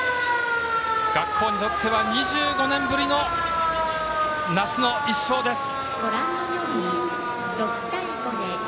学校にとっては２５年ぶりの夏の１勝です。